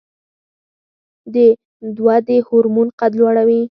د ودې هورمون قد لوړوي